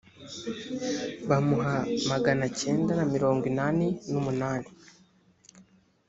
bamuha magana cyenda na mirongo inani n umunani